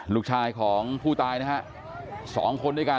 ลูกชายของผู้ตายนะฮะ๒คนด้วยกัน